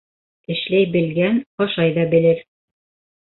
Эшләй белгән ашай ҙа белер.